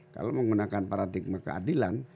kalau menggunakan paradigma keadilan